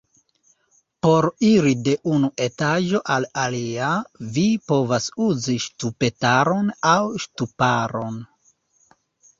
Por iri de unu etaĝo al alia, vi povas uzi ŝtupetaron aŭ ŝtuparon.